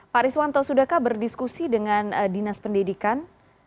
pak riswanto sudahkah berdiskusi dengan dinas pendidikan